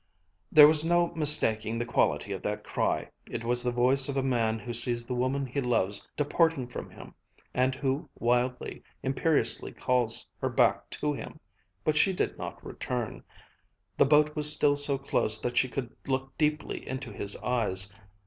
_" There was no mistaking the quality of that cry. It was the voice of a man who sees the woman he loves departing from him, and who wildly, imperiously calls her back to him. But she did not return. The boat was still so close that she could look deeply into his eyes.